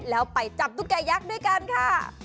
แล้วไปจับตุ๊กแก่ยักษ์ด้วยกันค่ะ